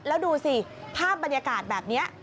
แล้วดูสิภาพบรรยากาศแบบนี้